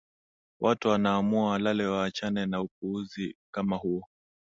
watu wanaamua walale waachane na upuzi kama huo